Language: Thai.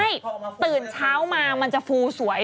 ใช่ตื่นเช้ามามันจะฟูสวย